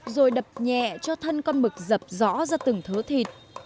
rồi đập nhẹ cho thân con mực dập rõ ra từng thớ thịt